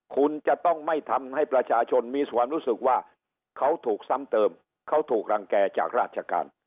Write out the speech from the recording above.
คุณจะต้องไม่ทำให้ประชาชนมีความรู้สึกว่าเขาถูกซ้ำเติมเขาถูกรังแก่จากราชการ